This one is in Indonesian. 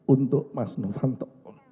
untuk mas nufanto